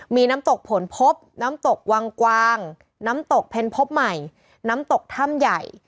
มีน้ำตกผลพบน้ำตกวังกวางน้ำตกเพ็ญพบใหม่น้ำตกถ้ำใหญ่